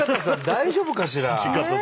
大丈夫かしら？